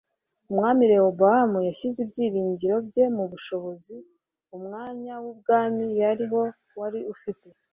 umwami rehobowamu yashyize ibyiringiro bye mu bushobozi [umwanya w'ubwami yariho wari ufite